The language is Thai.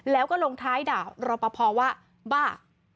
แล้วก็ลงท้ายด่ารอปภว่าบ้า